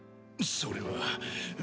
それは。